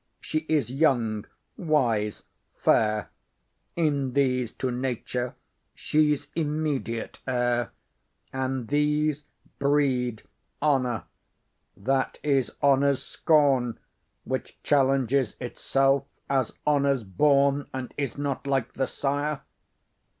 She is young, wise, fair; In these to nature she's immediate heir; And these breed honour: that is honour's scorn Which challenges itself as honour's born, And is not like the sire.